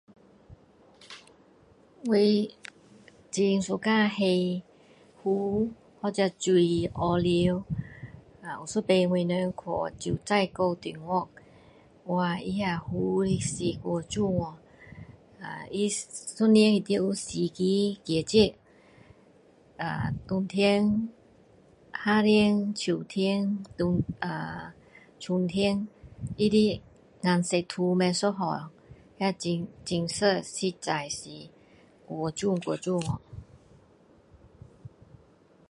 我很喜欢（unclear)湖或者是水，河流。有一次我们去九寨沟中国，哇它那湖是太美了，它一年里面有四个季节。啊！冬天夏天秋天冬啊春天，它的颜色都不一样，它景色景色实在是太美太美了